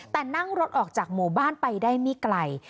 แต่นั่งรถออกจากหมู่บ้านไปได้ไม่ไกล